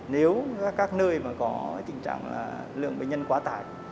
nếu các nơi có tình trạng lượng bệnh nhân quá tải